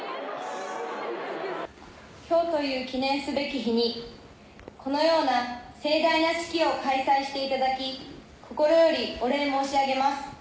今日という記念すべき日にこのような盛大な式を開催していただき心よりお礼申し上げます。